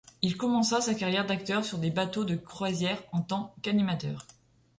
Il commença sa carrière d'acteur sur des bateaux de croisières en tant qu'animateur.